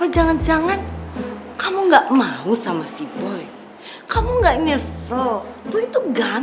jangan jangan kamu udah punya pacar